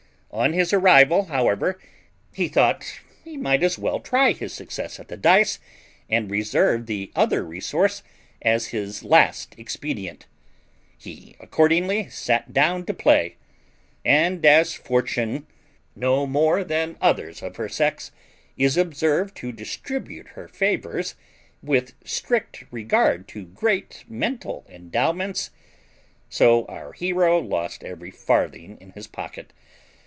On his arrival, however, he thought he might as well try his success at the dice, and reserve the other resource as his last expedient. He accordingly sat down to play; and as Fortune, no more than others of her sex, is observed to distribute her favours with strict regard to great mental endowments, so our hero lost every farthing in his pocket.